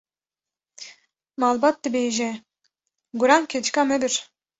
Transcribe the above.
Malbat dibêje: Guran keçika me bir.